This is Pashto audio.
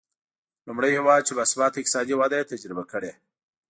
لومړی هېواد چې با ثباته اقتصادي وده یې تجربه کړې.